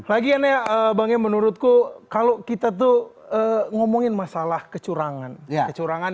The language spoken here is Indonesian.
lagi ya bangnya menurutku kalau kita tuh ngomongin masalah kecurangan